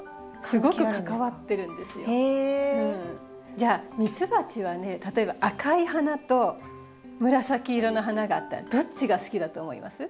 じゃあミツバチはね例えば赤い花と紫色の花があったらどっちが好きだと思います？